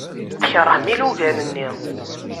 Tkeṛhem ilugan-nni.